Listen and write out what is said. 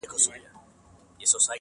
خپل وېښته وینم پنبه غوندي ځلیږي!!